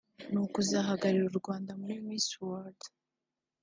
“ni ukuzahagararira u Rwanda muri Miss World”